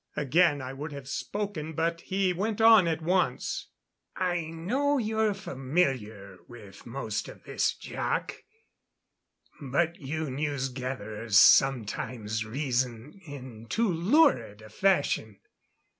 Again I would have spoken, but he went on at once. "I know you're familiar with most of this, Jac. But you news gatherers sometimes reason in too lurid a fashion.